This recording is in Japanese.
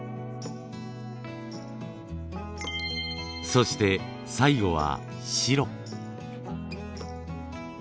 そして最後は白。